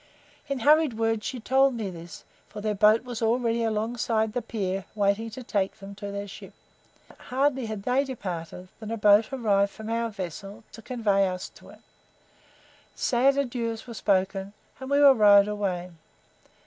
In hurried words she told me this, for their boat was already alongside the pier waiting to take them to their ship. Hardly had they departed than a boat arrived from our vessel to convey us to it. Sad adieux were spoken, and we were rowed away.